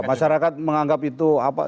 masyarakat menganggap itu apa